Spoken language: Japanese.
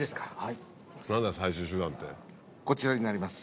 こちらになります。